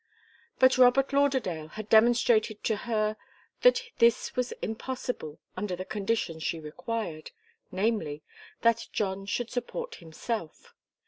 But Robert Lauderdale had demonstrated to her that this was impossible under the conditions she required, namely, that John should support himself.